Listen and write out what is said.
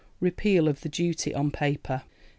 Repeal of the duty on paper. 1862.